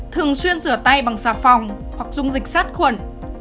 thường xuyên rửa tay bằng xà phòng hoặc dùng dịch sát khuẩn